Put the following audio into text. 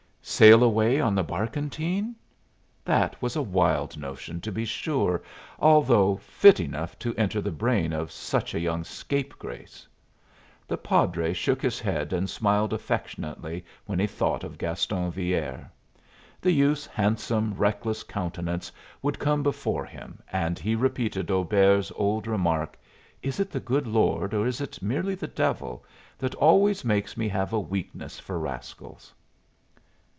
Sail away on the barkentine? That was a wild notion, to be sure, although fit enough to enter the brain of such a young scapegrace. The padre shook his head and smiled affectionately when he thought of Gaston Villere. The youth's handsome, reckless countenance would come before him, and he repeated Auber's old remark, "Is it the good Lord, or is it merely the devil, that always makes me have a weakness for rascals?"